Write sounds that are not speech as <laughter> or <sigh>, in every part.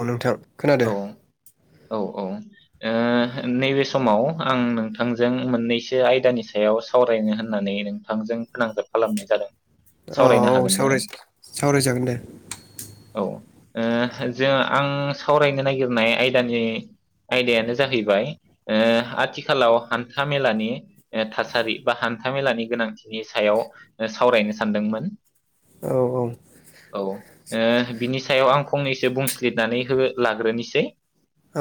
अ नोंथां औ खोनादों औ औ। ओ नैबे समाव आं नोंथांजों मोन्नैसो आयदानि सायाव सावरायनो होन्नानै नोंथांजों फोनांजाब खालामनाय जादों । औ सावरायनो औ हागोन ना? सावराय सावरायजागोन दे औ। ओ जों आं सावरायनो नागिरनाय आयदानि आयदायानो ओ जाहैबाय ओ आथिखालाव हान्था मेलानि थासारि बा हान्था मेलानि गोनांथिनि सायाव सावरायनो सानदोंमोन। औ औ। औ ओ बिनि सायाव आं फंनैसो बुंस्लिदनानै हो लाग्रोनिसै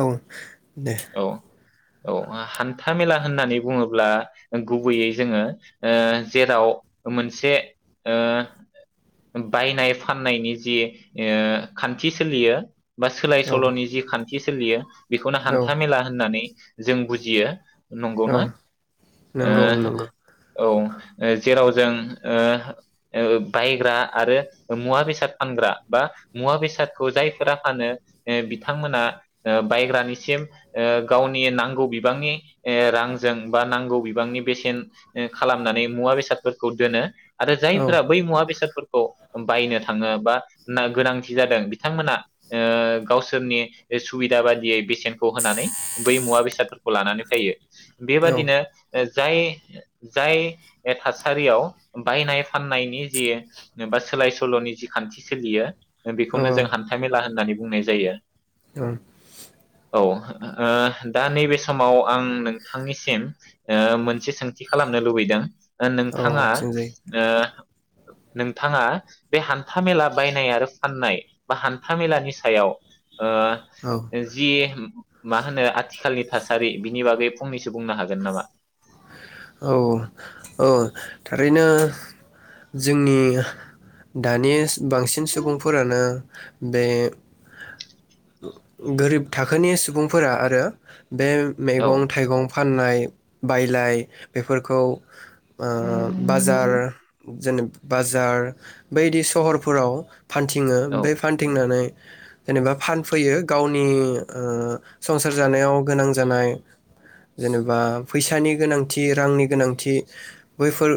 औ दे। औ हान्था मेला होन्नानै बुङोब्ला गुबैयै जोङो ओ जेराव मोनसे ओ बायनाय फान्नायनि जि ओ खान्थि सोलियो बा सोलाय औ सोल'नि जि खान थि सोलियो बेखौनो औ हान्था मेला होन्नानै जों बुजियो। औ नंगौना? ओ नंगौ नंगौ औ ओ जेराव जों ओ ओ बायग्रा आरो मुवा बेसाद फानग्रा बा मुवा बेसादखौ जायफोरा फानो ओ बिथांमोना ओ बायग्रानिसिम ओ गावनि नांगौ बिबांनि रांजों बा नांगौ बिबांनि बेसेन ओ खालामनानै मुवा बेसादफोरखौ दोनो। आरो औ जायफोरा बै मुवा बेसादफोरखौ औ बायनो थाङो बा नागोनांथि जादों बिथांमोना ओ गावसोरनि सुबिदा बादियै बेसेनखौ होनानै बै मुवा बेसादफोरखौ लानानै फैयो। औ बेबादिनो ओ जाय जाय थासारियाव बायनाय फाननायनि जि बा सोलाय सोल'नि जि खान्थि सोलियो औ बेखौनो जों हान्थाइ मेला होननानै बुंनाय जायो। औ। औ ओ दा नैबे समाव आं नोंथांनिसिम मोनसे सोंथि खालामनो लुबैदों ओ औ नोंथाङा सोंजायो ओ नोंथाङा बे हान्था मेला बायनाय आरो फाननाय बा हान्था मेलानि सायाव ओ औ जि मा होनो आथिखालनि थासारि बिनि बागै फंनैसो बुंनो हागोन नामा? औ औ थारैनो जोंनि दानि बांसिन सुबुंफोरानो बे गोरिब थाखोनि सुबुंफोरा आरो बे औ मैगं थाइगं फाननाय <unintelligible> बायलाय बेफोरखौ ओ बाजार जेनेब बाजार बायदि सहरफोराव फानथिङो औ बे फान्थिंनानै जेनेबा फानफैयो गावनि ओ संसार जानायाव गोनां जानाय जेनेबा फैसानि गोनांथि रांनि गोनांथि बैफोर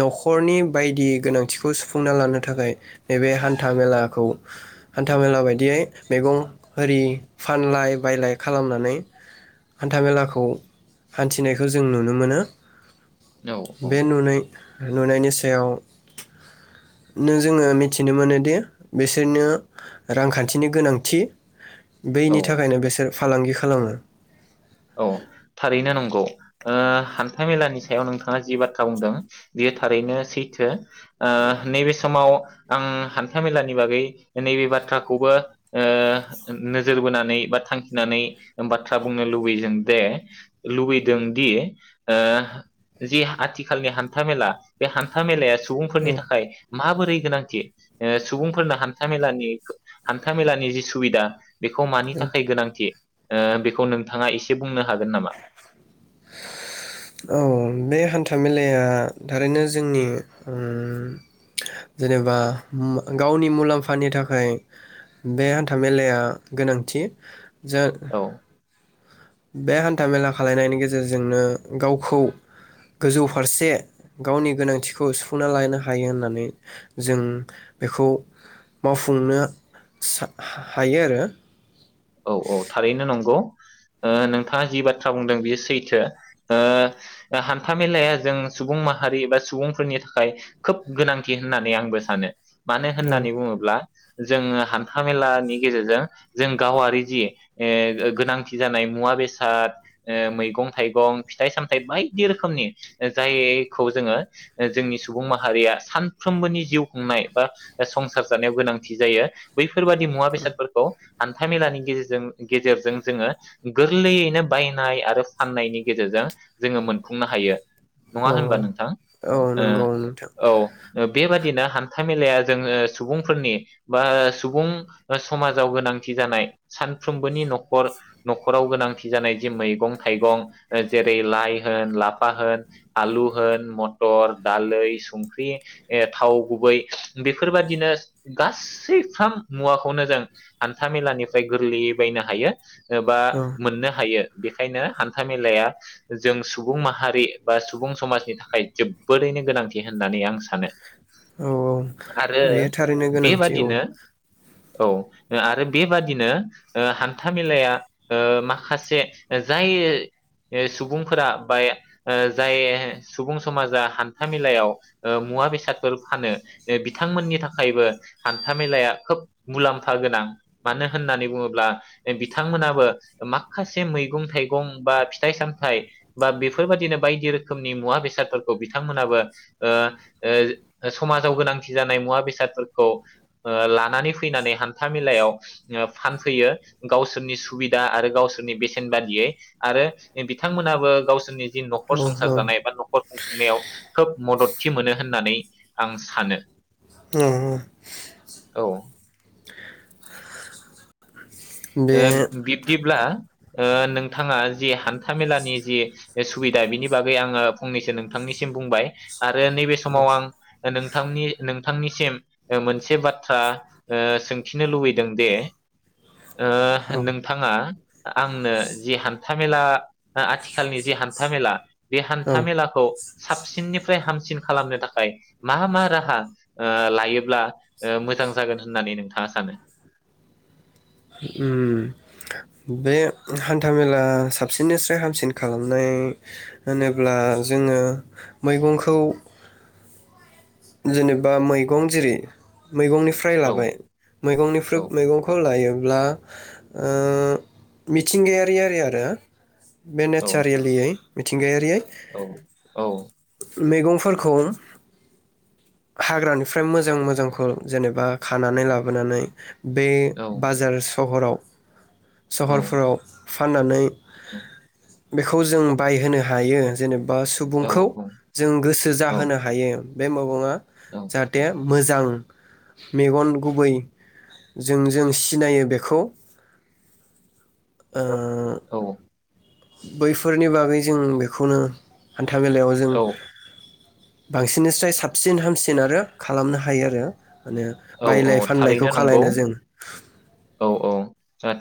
न'खरनि बायदि गोनांथिखौ सुफुंना लानो थाखाय नैबे हान्था मेलाखौ हान्था मेला बायदियै मैगं आरि फानलाय बायलाय खालामनानै हान्था मेलाखौ हान्थिनायखौ जों नुनो मोनो। औ औ बे नुनाय नुनायनि सि सायाव नों जोङो मिथिनो मोनोदि बिसोरनो रांखान्थिनि गोनांथि। औ बैनि थाखायनो बेसोर फालांगि खा खालामो। औ थारैनो नंगौ। ओ हान्था मेलानि सायाव नोंथाङा जि बाथ्रा बुंदों बियो थारैनो सैथो। ओ नैबे समाव आं हान्था मेलानि बागै नैबे बाथ्राखौबो ओ नोजोर बोनानै बा थांखिनानै बाथ्रा बुंनो लुब बयजों दे लुबैदों दि ओ जि आथिखालनि हान्था मेला बे हान्था मेलाया सुबुंफोरनि औ थाखाय माबोरै गोनांथि ओ सुबुंफोरनो हान्था मेलानि हान्था मेलानि जि सुबिदा बेखौ मानि औ थाखाय गोनांथि ओ बेखौ नों नोंथाङा इसे बुंनो हागोन नामा? औ बे हान्था मेलाया थारैनो जोंनि उम जेनेबा मु गावनि मुलाम्फानि थाखाय बे हान्था मेलाया गोनांथि। औ <unintelligible> बे हान्था मेला खालायनायनि गेजेरजोंनो गावखौ गोजौ फारसे गावनि गोनांथिखौ सुफुंना लानो हायो होननानै जों बेखौ मावफुंनो सा हायो आरो औ औ थारैनो नंगौ ओ नोंथाङा जि बाथ्रा बुंदों बेयो सैथो ओ हान्था मेलाया जों सुबुं माहारि बा सुबुंफोरनि थाखाय खोब गोनांथि होननानै आंबो सानो। मानो औ होननानै बुङोब्ला जोङो हान्था मेलानि गेजेरजों जों गावारि जि ए गोनांथि जानाय मुवा बेसाद ओ मैगं थाइगं फिथाइ सामथाइ बायदि रोखोमनि ओ जायखौ जोङो ओ जोंनि सुबुं माहारिया सानफ्रोमबोनि जिउ खुंनाय बा संसार जानायाव गोनांथि जायो बैफो फोरबादि मुवा बेसादफोरखौ हान्था मेलानि गेजेरजों गेजेरजों जोङो गोरलैयैनो बायनाय आरो फाननायनि गेजेरजों जोङो मोनफुंनो हायो। नङा औ होनबा औ नोंथां औ नंगौ नोंथां ओ औ ओ बेबादिनो हान्था मेलाया जोंङो सुबुंफोरनि बा सुबुं समाजाव गोनां थि जानाय सानफ्रोमबोनि नखर नखराव गोनांथि जानाय जि मैगं थाइगं जेरै लाइ होन लाफा होन आलु होन मटर दालै संख्रि ए थाव गुबै बेफोरबादिनो गासैफ्राम मुवाखौनो जों हान्था मेलानिफ्राय गोरलैयै बायनो हायो। ओ बा औ मोननो हायो। बेखायनो हान्था मेलाया जों सुबुं माहारि बा सुबुं समाजनि थाखाय जोबोरैनो गोनांथि होननानै आं सानो। औ औ आरो बे थारैनो गोनांथि औ। औ ओ आरो बेबादिनो ओ हान्था मेलाया ओ माखासे जाय सुबुंफोरा बा जाय ओ सुबुं समाजा हान्था मेलायाव ओ मुवा बेसादफोर फानो ओ बिथांमोननि थाखायबो हान्था मेलाया खोब मुलाम्फा गोनां मानो होननानै बुङोब्ला बिथांमोनाबो माखासे मैगं थाइगं बा फिथाइ सामथाइ बा बेफोरबादिनो बायदि रोखोमनि मुवा बेसादफोरखौ बिथांमोनाबो ओ ओ समाजाव गोनांथि जानाय मुवा बेसादफोरखौ ओ लानानै फैनानै न्था मेलायाव ओ फानफैयो गावसोरनि सुबिदा आरो गावसोरनि बेसेन बादियै आरो बिथांमोनाबो गावसोरनि जि औ नखर औ संसार जानाय बा नखर खुंफुंनायाव खोब मदद थि मोनो होननानै आं सानो। नंगौ औ ओ बे बिब्दिब्ला ओ नोंथाङा जि हान्था मेलानि ओ जि सुबिदा बिनि बागै आङो फंनैसो नोंथांनिसिम बुंबाय। आरो नैबे औ समाव आं नोंथांनि नोंथांनिसिम ओ मोनसे बाथ्रा ओ सोंथिनो लुबैदों दे ओह औ नोंथाङा आंनो जि हान्थामेला आ-आथिखालनि जि हान्थामेला बे औ हान्था मेलाखौ साबसिननिफ्राय हामसिन खालामनो थाखाय मा मा राहा ओ लायोब्ला ओ मोजां जागोन होननानै नोंथाङा सानो? उम बे हान्थामेला साबसिननिफ्राय हामसिन खालामनाय होनोब्ला जोङो मैगंखौ जेनेबा मैगं जेरै मैगंनिफ्राय औ लाबाय मैगंनिफ्राय औ मैगंखौ लायो ब्ला ओ मिथिंगायारि आरि आरो बे औ नेसारेलियै मिथिंगायारियै औ औ मैगंफोरखौ हाग्रानिफ्राय मोजां मोजांखौ जेनेबा खानानै लाबोनानै बे औ बाजार स सहराव सहरफोराव फाननानै बेखौ जों बायहोनो हायो जेने बा औ सुबुंखौ जों गोसो जाहोनो हायो। बे मोगङा जाहाथे मोजां मेगन गुबै जों जों सिनायो बेखौ ओह औ बैफोरनि बागै जों बेखौनो हान्था मेलायाव जों औ बांसि निस्राय साबसिन हामसिन आरो खालामनो हायो आरो । माने औ औ बायलाय फानलायखौ थारैनो खालायनो नंगौ जों औ औ ओ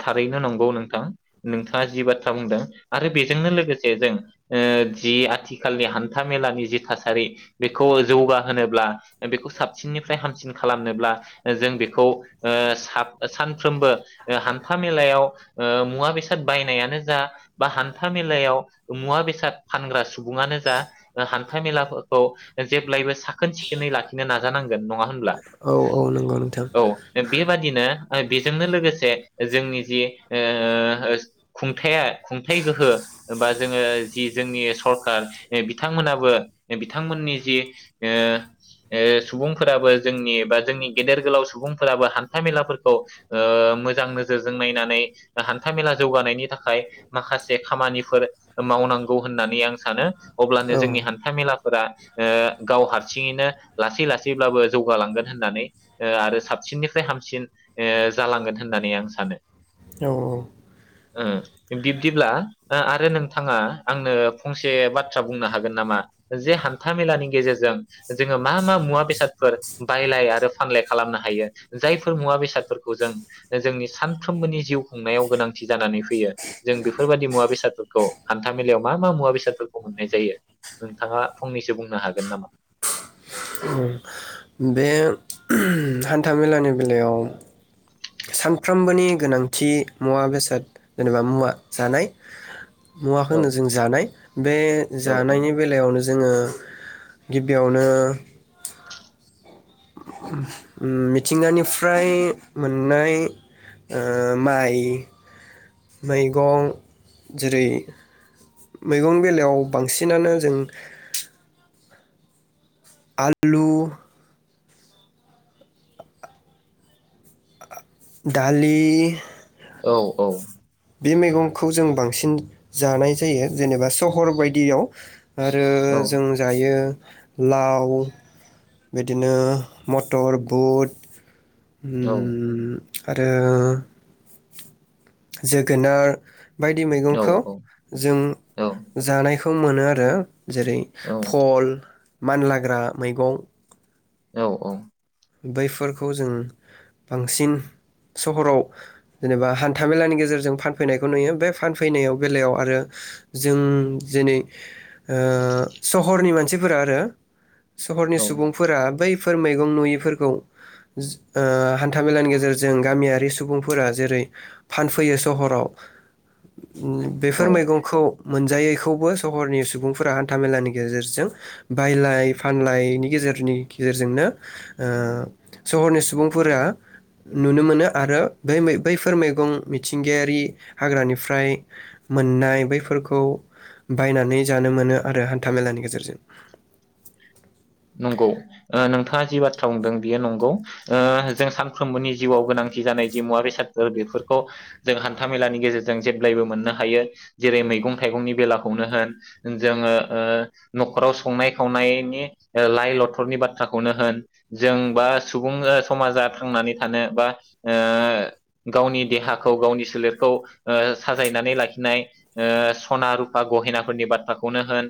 थारैनो नंगौ नोंथां नोंथाङा जि बाथ्रा बुंदों आरो बेजोंनो लोगोसे जों ओह जि आथिखालनि हान्थामेलानि जि थासारि बेखौ जौगाहोनोब्ला बेखौ साबसिननिफ्राय हामसिन खालाम नोब्ला जों बेखौ ओह सा सानफ्रोमबो हान्थामेलायाव ओह मुवा बेसाद बायनायानो जा बा हान्था मेलायाव मुवा बेसाद फानग्रा सुबुङानो जा हान्था मेलाफोरखौ जेब्लायबो साखोन सिखोनै लाखिनो ना नांगोन नङा होन ब्ला? औ औ नंगौ नोंथां औ बेबादिनो ओ बेजोंनो लोगोसे जोंनि जि ओह खुंथाया खुंथाय गोहो बा जोङो जि जोंनि सरखार बिथांमोनाबो बिथांमोननि जि ओ ओ सुबुंफोराबो जोंनि बा जोंनि गेदेर गोलाव सुबुंफोराबो हान्थामेलाफोरखौ ओह मोजां नोजोरजों नायनानै हान्थामेला जौगानायनि थाखाय माखासे खामानिफोर मावनांगौ होननानै आं सानो । अब्लानो औ जोंनि हान्थामेला फोरा ओह गाव हारसिङैनो लासै लासैब्लाबो जौगालांगोन । होननानै ओ आरो साबसिननिफ्राय हामसिन ओह जालांगोन होननानै आं सानो । औ औ। ओह बिब्दिब्ला ओ आरो नोंथाङा आंनो फंसे बाथ्रा बुंनो हागोन नामा जे हान्थामेलानि गेजेरजों जोङो मा मा मुवा बेसादफोर बायलाय आरो फानलाय खालामनो हायो जायफोर मुवा बेसादफोरखौ जों जोंनि सानफ्रोमबोनि जिउ खुंनायाव गोनांथि जानानै फैयो जों बेफोरबादि मुवा बेसादफोरखौ हान्था मेलायाव मा मा मुवा बेसादफोरखौ मोननाय जायो, नोंथाङा फंनैसो बुंनो हागोन नामा? बे हान्थामेलानि बेलायाव सानफ्रोमबोनि गोनांथि मुवा बेसाद जेनेबा मुवा जानाय औ मुवाखोनो जों जानाय बे औ जानायनि बेलायावनो जोङो गिबियावनो ओम मिथिंगानिफ्राय मोननाय ओह माइ मैगं जेरै मैगंनि बेलायाव बांसिनानो जों आलु दालि औ औ । बे मेगंखौ जों बांसिन जानाय जायो जेनेबा सहर बायदियाव आरो जों औ जायो लाव बिदिनो मटर बुट उम आरो जोगोनार बायदि औ मैगंखौ औ जों औ जानायखौ खौ मोनो आरो । जेरै औ भल मानलाग्रा मैगं औ औ । बैफोरखौ जों बांसिन सहराव जेनेबा हान्थामेलानि गेजेरजों फानफैनायखौ नुयो बे फानफैनायाव बेलायाव आरो जों दिनै सहरनि मानसिफोरा आरो । सहरनि औ सुबुंफोरा बै फोर मैगं नुयो फोरखौ हान्थामेलानि गेजेरजों गामियारि सुबुंफोरा जेरै फानफैयो सहराव उम बेफोर औ मैगंखौ मोनजायो। खौबो सहरनि सुबुंफोरा हान्था मेलानि गेजेरजों बायलाय फानलायनि गेजेरनि गेजेरजोंनो ओ सहरनि सुबुंफोरा नुनो मोनो आरो बै-बैफोर मैगं मिथिंगायारि हाग्रानिफ्राय मोननाय बैफोरखौ बायनानै जानो मोनो आरो हान्थामेलानि गेजेरजों। नंगौ नोंथाङा जि बाथ्रा बुंदों बियो नंगौ ओ जों सानफ्रोमबोनि जिउआव गोनांथि जानाय जि मुवा बेसादफोर बेफोरखौ जों हान्था मेलानि गेजेरजों जेब्लायबो मोननो हायो जेरै मैगं थाइगंनि बेलाखौनो होन जोङो ओ नखराव संनाय खावनायनि लाइ लथरनि बाथ्राखौनो होन जों बा सुबुं समाजा थांनानै थानो बा ओ गावनि देहाखौ गावनि सोलेरखौ ओ साजायनानै लाखिनाय ओ सना रुपा गहेनाफोरनि बाथ्राखौनो होन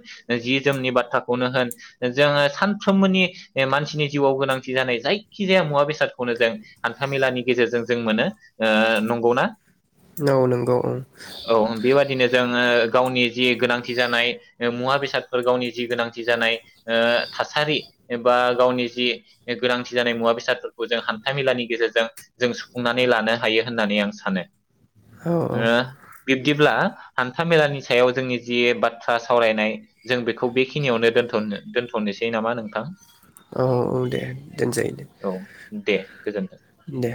जि जोमनि बाथ्रा खौनो होन जोङो सानफ्रोमबोनि मानसिनि जिउआव गोनांथि जानाय जायखिजाया मुवा बेसादखौनो जों हान्था मेलानि गेजेरजों जों मोनो। ओ नंगौना? औ नंगौ औ निनो जोङो गावनि जि गोनांथि जानाय मुवा बेसादफोर गावनि जि गोनांथि जानाय ओ थासारि बा गावनि जि गोनांथि जानाय मुवा बेसादफोरखौ जों हान्था मेलानि गेजेरजों जों सुफुंनानै लानो हायो होननानै आं सानो। औ औ ओ बिब्दिब्ला हान्था मेलानि सायाव जोंनि जि बाथ्रा सावरायनाय जों बेखौ बेखि खिनियावनो दनथ दोनथनोसै नामा नोंथां? औ औ दे दोनसोय दे। औ दे गोजोन्थों। दे।